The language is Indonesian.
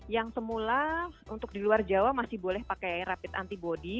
yang semula untuk di luar jawa masih boleh pakai rapid antibody